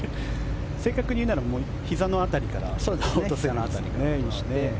正確に言うならひざの辺りから落とすようにして。